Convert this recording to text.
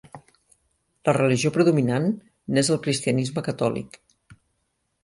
La religió predominant n'és el cristianisme catòlic.